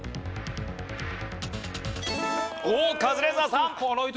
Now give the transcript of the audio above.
おおっカズレーザーさん！